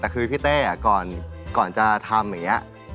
แต่คือพี่เต้ก่อนจะทำอย่างนี้